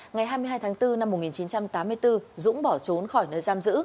ngày hai mươi hai tháng bốn năm một nghìn chín trăm tám mươi bốn dũng bỏ trốn khỏi nơi giam giữ